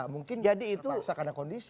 mungkin terpaksa karena kondisi